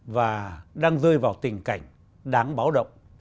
và đang rơi vào tình cảnh đáng báo động